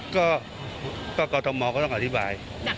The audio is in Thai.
ก็กรทมก็ต้องอธิบาย